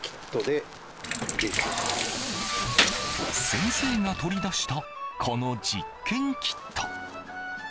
先生が取り出したこの実験キット。